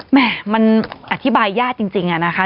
แม่มันอธิบายยากจริงอะนะคะ